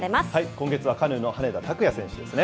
今月はカヌーの羽根田卓也選手ですね。